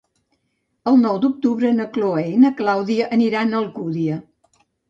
El nou d'octubre na Chloé i na Clàudia aniran a Alcúdia.